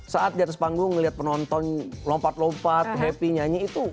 saat di atas panggung melihat penonton lompat lompat happy nyanyi itu